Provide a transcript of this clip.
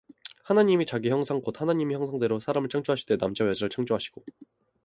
하나님이 자기 형상 곧 하나님의 형상대로 사람을 창조하시되 남자와 여자를 창조하시고